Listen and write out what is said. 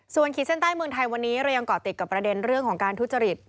ส่วนขีดเส้นใต้เมืองไทยวันนี้เรายังเกาะติดกับประเด็นเรื่องของการทุจริต